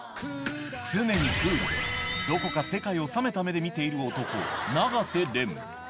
常にクールで、どこか世界を冷めた目で見ている男、永瀬廉。